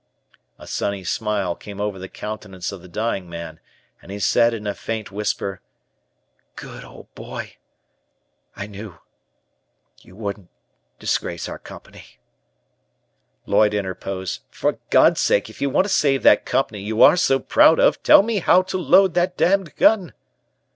A sunny smile came over the countenance of the dying man, and he said in a faint whisper: "Good old boy! I knew you wouldn't disgrace our Company " Lloyd interposed, "For God's sake, if you want to save that Company you are so proud of, tell me how to load that damned gun!"